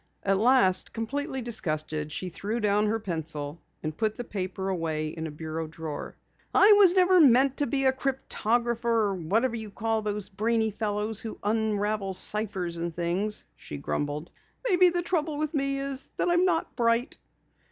At last, completely disgusted, she threw down her pencil and put the paper away in a bureau drawer. "I never was meant to be a cryptographer or whatever you call those brainy fellows who unravel ciphers and things!" she grumbled. "Maybe the trouble with me is that I'm not bright."